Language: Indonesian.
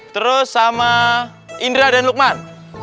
terus sama indra dan lukman